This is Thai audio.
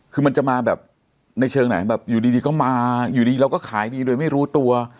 คือมันจะมาแบบในเชิงไหนแบบอยู่ดีก็มาอยู่ดีเราก็ขายดีโดยไม่รู้ตัว